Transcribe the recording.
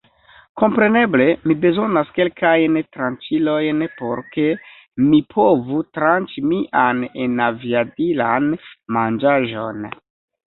Kompreneble mi bezonas kelkajn tranĉilojn, por ke mi povu tranĉi mian enaviadilan manĝaĵon.